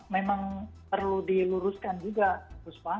memang perlu diluruskan juga buspa